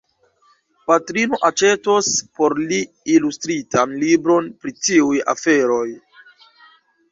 Patrino aĉetos por li ilustritan libron pri tiuj aferoj.